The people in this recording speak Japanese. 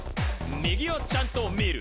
「右をちゃんと見る！